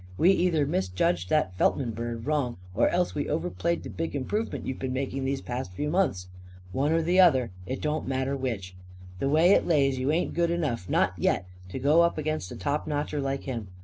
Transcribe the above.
We either misjudged that Feltman bird wrong or else we overplayed the big improvement you've been making these past few months. One or the other. It don't matter which. The way it lays, you ain't good enough not yet to go up against a top notcher like him.